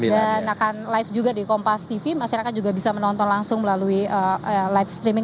dan akan live juga di kompas tv masyarakat juga bisa menonton langsung melalui live streaming